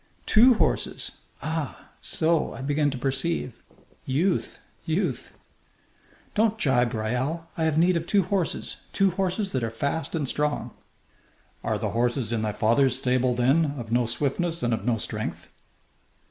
"Two horses! Ah! So! I begin to perceive. Youth! Youth!" "Don't jibe, Raoul! I have need of two horses two horses that are fast and strong." "Are the horses in thy father's stable, then, of no swiftness and of no strength?"